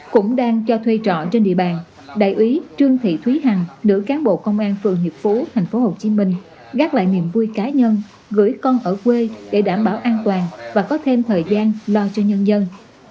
cũng đang cho thuê trọ trên địa bàn đại úy trương thị thúy hằng nữ cán bộ công an phường hiệp phú tp hcm gác lại niềm vui cá nhân gửi con ở quê để đảm bảo an toàn và có thêm thời gian lo cho nhân dân